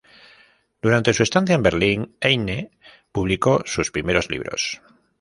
Durante su estancia en Berlín Heine publicó sus primeros libros.